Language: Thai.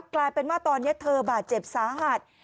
กลายเป็นว่าตอนนี้เธอบาดเจ็บสาหัส